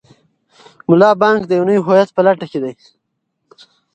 ملا بانګ د یو نوي هویت په لټه کې دی.